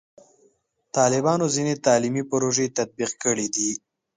طالبانو ځینې تعلیمي پروژې تطبیق کړي دي.